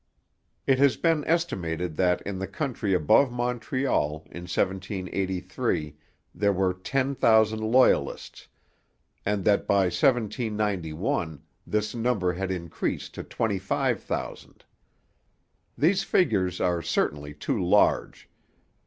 It has been estimated that in the country above Montreal in 1783 there were ten thousand Loyalists, and that by 1791 this number had increased to twenty five thousand. These figures are certainly too large.